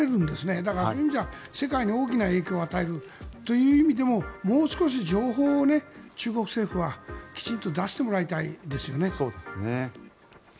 だから、そういう意味じゃ世界に大きな影響を与えるという意味でももう少し情報を中国政府はきちんと出してもらいたいですよね。